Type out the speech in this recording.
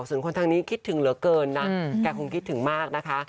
ส่วนคนทางนี้คิดถึงเหลือเกินนะแกคงคิดถึงมากนะคะ